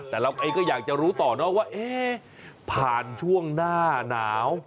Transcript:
แต่เราก็อยากจะรู้ต่อว่าผ่านช่วงหน้าหนาว